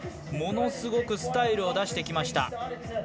ものすごくスタイルを出してきました。